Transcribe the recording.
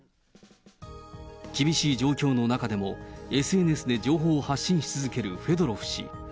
厳しい状況の中でも、ＳＮＳで情報を発信し続けるフェドロフ氏。